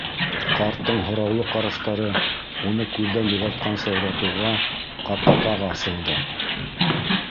Ҡарттың һораулы ҡараштары уны күҙҙән юғалтҡансы оҙатыуға, ҡапҡа тағы асылды.